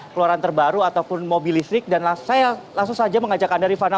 keluaran terbaru ataupun mobil listrik dan saya langsung saja mengajak anda rifana